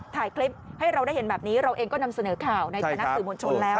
ถ่ายคลิปให้เราได้เห็นแบบนี้เราเองก็นำเสนอข่าวในฐานะสื่อมวลชนแล้ว